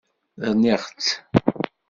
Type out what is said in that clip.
Rniɣ-tt.